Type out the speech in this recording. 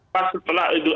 pas setelah itu ada hal